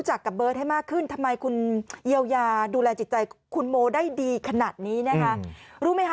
ฉันต้องมาด้วยกันมันต่างกันคงไม่สุดท้ายมันต่างกันเก็บเพียงในตอนนี้